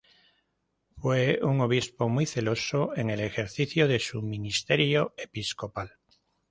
Fue un obispo muy celoso en el ejercicio de su ministerio episcopal.